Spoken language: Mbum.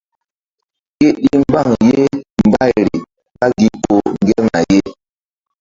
Ke ɗi mbaŋ ye mbayri ɓá gi ko ŋgerna ye.